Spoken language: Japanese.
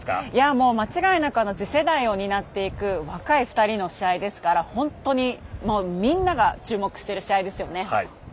もう間違いなく次世代を担っていく若い２人の試合ですから本当にみんなが注目してる試合ですよね。